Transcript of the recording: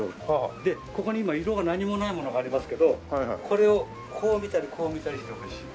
でここに今色が何もないものがありますけどこれをこう見たりこう見たりしてほしいです。